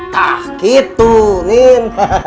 nah gitu min